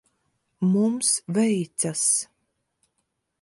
Mums veicas.